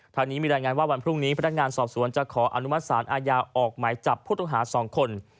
ทางนี้มีรายงานว่าวันพรุ่งนี้พนักงานสอบสวนจะขออนุมัติศาลอาญาออกหมายจับผู้ต้องหา๒คน